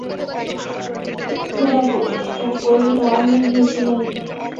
গোরা কহিল, আমি হিন্দু নই।